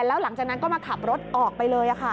แล้วหลังจากนั้นก็มาขับรถออกไปเลยค่ะ